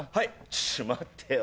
ちょっと待ってよ